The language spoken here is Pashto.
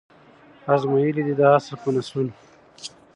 آزمیېلی دی دا اصل په نسلونو